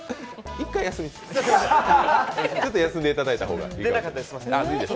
一回休みで、ちょっと休んでいただいた方が。